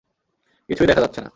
কিছুই দেখা যাচ্ছে না।